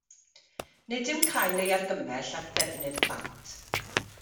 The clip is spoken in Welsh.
Nid yw'n cael ei argymell at ddefnydd plant.